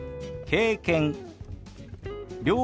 「経験」。